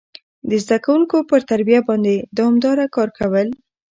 د زده کوونکو پر تربيه باندي دوامداره کار کول،